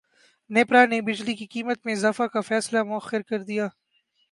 نیپرا نے بجلی کی قیمت میں اضافے کا فیصلہ موخر کردیا